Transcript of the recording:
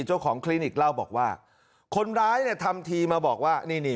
คลินิกเล่าบอกว่าคนร้ายเนี่ยทำทีมาบอกว่านี่นี่